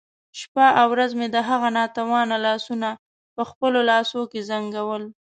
شپه او ورځ مې د هغه ناتوانه لاسونه په خپلو لاسو کې زنګول.